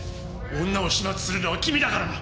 女を始末するのは君だからな！